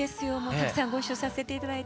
たくさんご一緒させて頂いて。